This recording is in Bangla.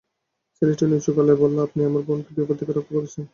ছেলেটি নিচু গলায় বলল, আপনি আমার বোনকে বিপদ থেকে রক্ষা করেছেন।